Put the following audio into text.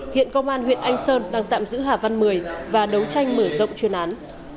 hiện công an huyện anh sơn đang tạm giữ hà văn một mươi và đấu tranh mở rộng chuyển án